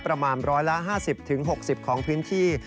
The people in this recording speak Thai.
ประมาณร้อยละ๕๐๖๐ของพื้นที่